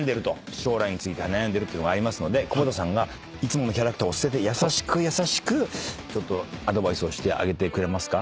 将来について悩んでるってのがありますので久保田さんがいつものキャラクターを捨てて優しくアドバイスをしてあげてくれますか。